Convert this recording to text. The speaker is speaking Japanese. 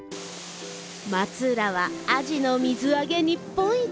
松浦はアジの水揚げ日本一！